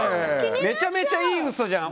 めちゃめちゃいい嘘じゃん。